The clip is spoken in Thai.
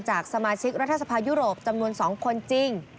จากสมาชิกรัฐสภายุโรปจำนวน๒คนจริง